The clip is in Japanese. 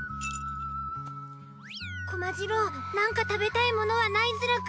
コマじろうなんか食べたいものはないズラか？